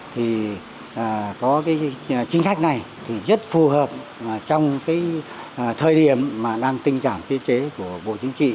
thì có cái chính sách này thì rất phù hợp trong cái thời điểm mà đang tinh giản biên chế của bộ chính trị